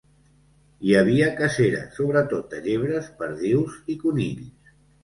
Hi havia cacera, sobretot de llebres, perdius i conills.